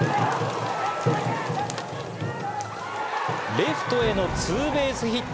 レフトへのツーベースヒット。